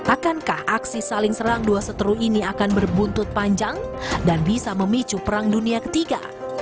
akankah aksi saling serang dua seteru ini akan berbuntut panjang dan bisa memicu perang dunia ketiga